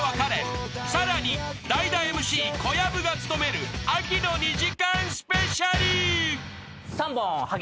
［さらに代打ＭＣ小籔が務める秋の２時間スペシャル］